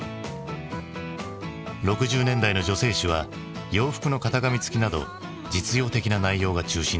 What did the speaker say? ６０年代の女性誌は洋服の型紙付きなど実用的な内容が中心だった。